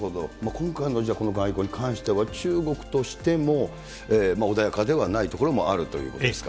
今回のこの外交に関しては、中国としても穏やかではないところもあるということですか。